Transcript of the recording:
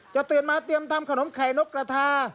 จะตื่นมาเตรียมทำขนมไข่นกกระทา